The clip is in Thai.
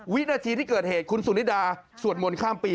วินาทีที่เกิดเหตุคุณสุนิดาสวดมนต์ข้ามปี